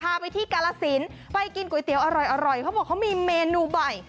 พาไปที่กาลสินไปกินก๋วยเตี๋ยวอร่อยเขาบอกเขามีเมนูบ่อย